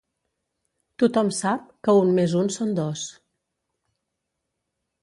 Tothom sap que un més un són dos.